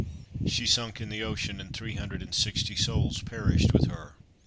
She sunk in the ocean, and three hundred and sixty souls perished with her.